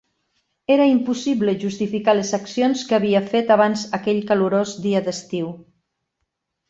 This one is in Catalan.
Era impossible justificar les accions que havia fet abans aquell calorós dia d'estiu.